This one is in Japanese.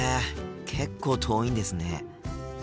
結構遠いんですね。